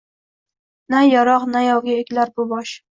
Na yarogʼ, na yovga egilar bu bosh